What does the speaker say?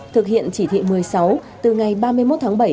thực hiện chỉ thị một mươi sáu từ ngày ba mươi một tháng bảy